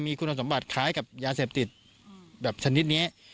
มีคุณสมบัติคล้ายกับยาเสพติดแบบชนิดนี้